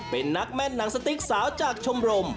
เป็นนักแม่นหนังสติ๊กสาวจากชมรม